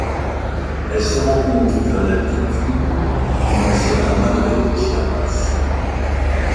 Elle se rencontre vers d'altitude dans la Sierra Madre de Chiapas.